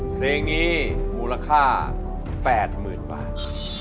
เพลงนี้มูลค่า๘๐๐๐บาท